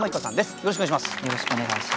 よろしくお願いします。